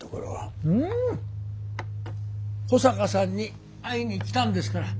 いや保坂さんに会いに来たんですから。